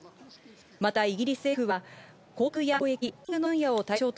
またイギリス政府はた。